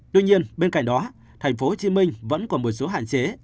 tuy nhiên bên cạnh đó tp hcm vẫn còn một số hạn chế